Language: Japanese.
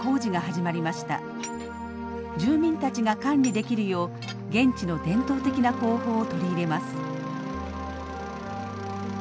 住民たちが管理できるよう現地の伝統的な工法を取り入れます。